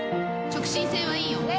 直進性はいいよ。